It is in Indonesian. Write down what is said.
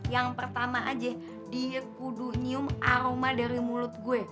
yang pertama aja di kudu nyium aroma dari mulut gue